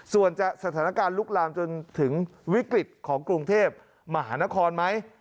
ส่วนจะสถานการณ์ลุกลามจนถึงวิกฤตของกรุงเทพมหานครไหม